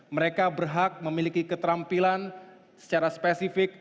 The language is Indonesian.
mereka juga harus memiliki keterampilan secara spesifik